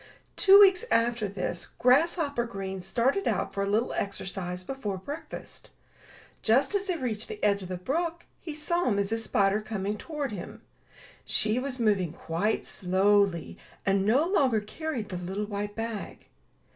Two weeks after this. Grasshopper Green started 229 MY BOOK HOUSE out for a little exercise before breakfast. Just as he reached the edge of the brook, he saw Mrs. Spider coming toward him. She was moving quite slowly, and no longer carried the little white bag.